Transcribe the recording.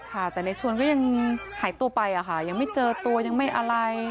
ค่ะแต่ในชวนก็ยังหายตัวไปอะค่ะยังไม่เจอตัวยังไม่อะไร